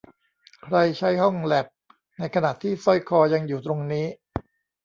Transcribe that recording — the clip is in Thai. ใครใช้ห้องแลปในขณะที่สร้อยคอยังอยู่ตรงนี้